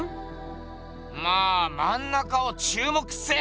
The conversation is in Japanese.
まあ「まん中を注目せい！」